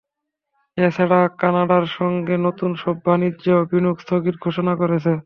এ ছাড়া কানাডার সঙ্গে নতুন সব বাণিজ্য ও বিনিয়োগ স্থগিত ঘোষণা করেছে।